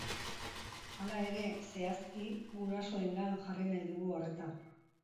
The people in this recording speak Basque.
Hala ere, zehazki, gurasoengan jarri nahi dugu arreta.